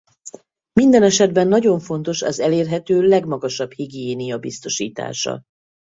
Minden esetben nagyon fontos az elérhető legmagasabb higiénia biztosítása.